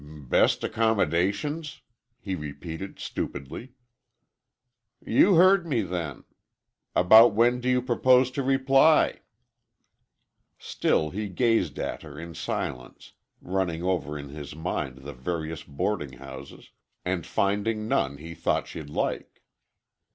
"Best accommodations?" he repeated stupidly. "You heard me, then! About when do you propose to reply?" Still he gazed at her in silence, running over in his mind the various boarding houses, and finding none he thought she'd like.